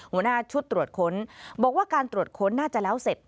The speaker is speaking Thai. หัวหน้าชุดตรวจค้นบอกว่าการตรวจค้นน่าจะแล้วเสร็จ